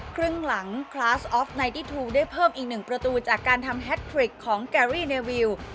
ครึ่งหลังคลาสออฟในทูลได้เพิ่มอีกหนึ่งประตูจากการทำแฮทริกของแกรี่เนวิว